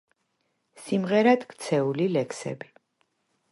სიმღერად ქცეული ლექსები.